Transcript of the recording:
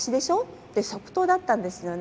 って即答だったんですよね。